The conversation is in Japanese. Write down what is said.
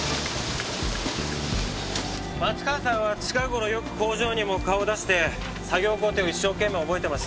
松川さんは近頃よく工場にも顔を出して作業工程を一生懸命覚えてました。